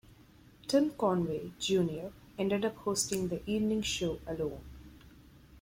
Tim Conway, Junior ended up hosting the evening show alone.